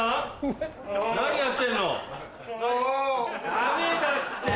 ダメだって。